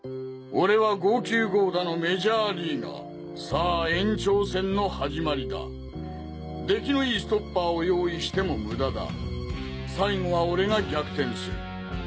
「俺は剛球豪打のメジャーリーガーさあ延長戦の始まりだ出来のいいストッパーを用意しても無駄だ最後は俺が逆転する」。